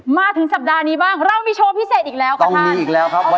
มาถึงสัปดาห์นี้บ้างเรามีโชว์พิเศษอีกแล้วค่ะท่านอีกแล้วครับ